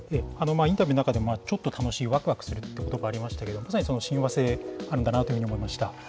インタビューの中でも、ちょっと楽しい、わくわくするっていうところがありましたけれども、まさにその親和性があるんだなと思いました。